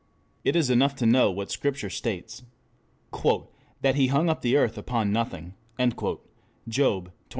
It is enough to know what Scripture states. 'That He hung up the earth upon nothing' (Job xxvi.